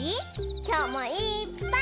きょうもいっぱい。